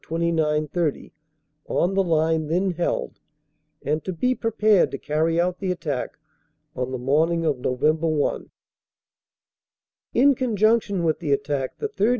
29 30 on the line then held, and to be prepared to carry out the attack on the morning of Nov. 1. "In conjunction with the attack the 3rd.